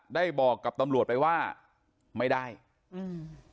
ได้บอกกับตำรวจไปว่าไม่ได้อืม